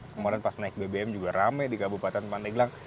kemarin pas naik bbm juga rame di kabupaten pandeglang